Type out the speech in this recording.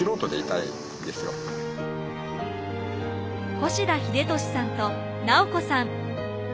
越田秀俊さんと奈央子さん。